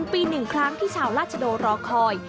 ปี๑ครั้งที่ชาวราชโดรอคอย